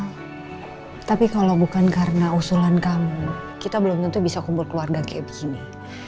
tapi kalau bukan karena usulan kamu kita belum tentu bisa kumpul keluarga kayak begini